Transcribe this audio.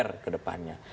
bagaimana dengan maksimalnya